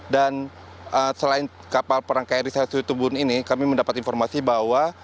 dan selain kapal perang kri sasu itubu ini kami mendapat informasi bahwa